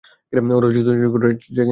ওরা চুদাচুদি করেছে কিনা সেই ব্যাপারে?